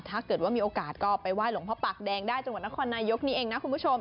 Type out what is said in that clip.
ถ้าเกิดว่ามีโอกาสก็ไปไห้หลวงพ่อปากแดงได้จังหวัดนครนายกนี้เองนะคุณผู้ชม